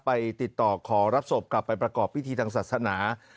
ติดต่อขอรับศพกลับไปประกอบพิธีทางศาสนา